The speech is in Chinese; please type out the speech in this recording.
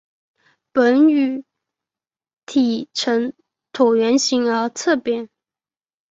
本鱼体呈椭圆形而侧扁。